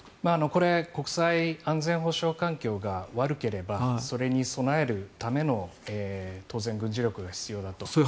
これは国際安全保障環境が悪ければそれに備えるための当然、軍事力が必要だと。